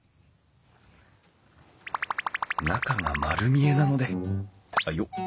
中が丸見えなのであよっ。